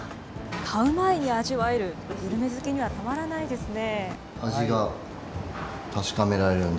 買う前に味わえる、グルメ好きにはたまらないですね。